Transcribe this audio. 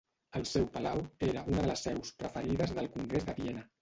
El seu palau era una de les seus preferides del Congrés de Viena.